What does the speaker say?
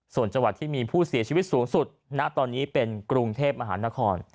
ส่วนจังหวัดที่มีผู้เสียชีวิตสูงสุดณตอนนี้เป็นกรุงเทพมหานคร